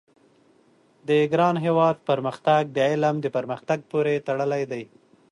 د ګران هېواد پرمختګ د علم د پرمختګ پوري تړلی دی